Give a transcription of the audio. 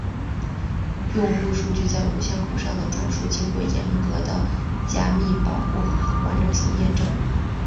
用户数据在无线口上的传输经过严格的加密保护和完整性验证。